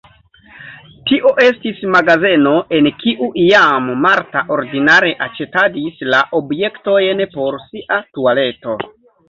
Tio estis magazeno, en kiu iam Marta ordinare aĉetadis la objektojn por sia tualeto.